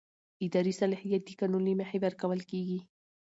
اداري صلاحیت د قانون له مخې ورکول کېږي.